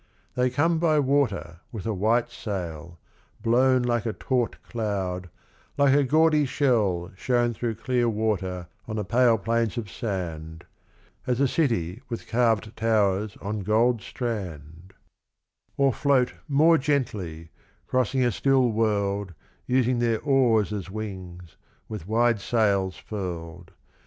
They come by water with a white sail, blown Like a taut cloud, like a gaudy shell shown Through clear water on the pale plains of sand As a city with carded towers on gold strand ; Or float more gently, crossing a still world Using their oars as wings, with wide sails furled.